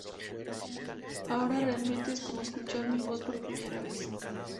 Ahora realmente es como escuchar mi voz por primera vez".